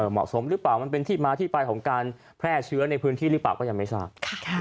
เหมาะสมหรือเปล่ามันเป็นที่มาที่ไปของการแพร่เชื้อในพื้นที่หรือเปล่าก็ยังไม่ทราบ